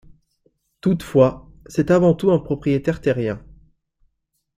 Toutefois, c'est avant tout un propriétaire terrien.